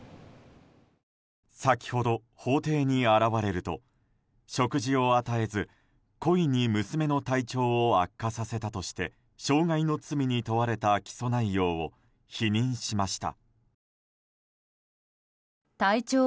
先ほど、法廷に現れると食事を与えず、故意に娘の体調を悪化させたとして傷害の罪に問われた起訴内容を否認しました。